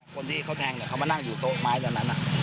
คนที่เขาแทงเขามานั่งอยู่โต๊ะไม้ตอนนั้น